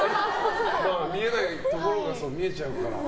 見えないところが見えちゃうから。